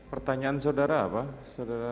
pertanyaan saudara apa